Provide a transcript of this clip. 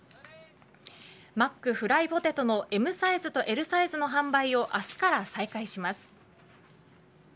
マックフライポテトのＭサイズとＬサイズの販売を明日から再開します。